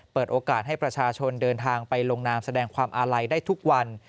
เปิดโอกาสให้ประชาชนเดินทางไปลงนามแสดงความอาลัยได้ทุกวัน